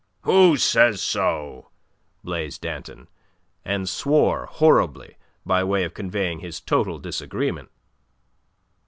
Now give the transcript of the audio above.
"Who says so?" blazed Danton, and swore horribly by way of conveying his total disagreement.